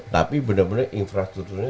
tapi benar benar infrastrukturnya